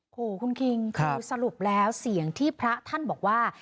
โหคุณคิงคือสรุปแล้วเสียงที่พระท่านบอกว่า